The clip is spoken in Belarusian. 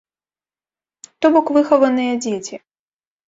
То бок, выхаваныя дзеці.